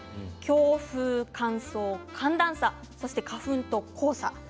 強風、乾燥、寒暖差、そして花粉と黄砂。